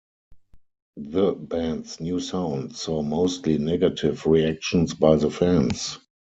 The band's new sound saw mostly negative reactions by the fans.